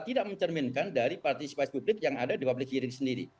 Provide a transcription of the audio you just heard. tidak mencerminkan dari partisipasi publik yang ada di public hearing sendiri